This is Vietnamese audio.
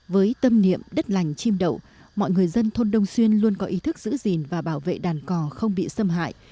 với tâm niệm đất lành chim đậu mọi người dân thôn đông xuyên luôn có ý thức giữ gìn và bảo vệ đàn cò không bị xâm hại